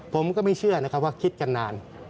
ผมก็ไม่เชื่อนะครับว่าคิดกันนาน